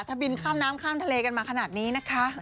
ถ้าบินข้ามน้ำข้ามทะเลกันมาขนาดนี้นะคะ